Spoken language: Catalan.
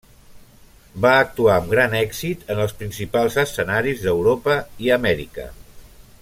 Va actuar amb gran èxit en els principals escenaris d'Europa i Amèrica.